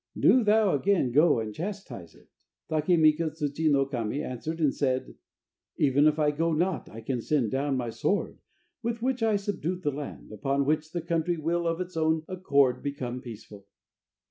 Do thou again go and chastise it." Take mika tsuchi no Kami answered and said: "Even if I go not I can send down my sword, with which I subdued the land, upon which the country will of its own accord become peaceful."